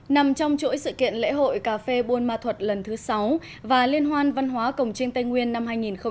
nằm trong chuỗi sự kiện lễ hội cà phê buôn ma thuật lần thứ sáu và liên hoan văn hóa cồng trinh tây nguyên năm hai nghìn một mươi bảy